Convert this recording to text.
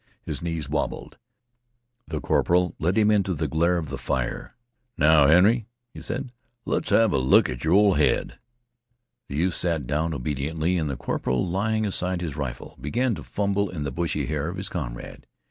His knees wobbled. The corporal led him into the glare of the fire. "Now, Henry," he said, "let's have look at yer ol' head." The youth sat down obediently and the corporal, laying aside his rifle, began to fumble in the bushy hair of his comrade.